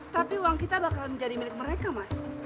tapi uang kita bakal menjadi milik mereka mas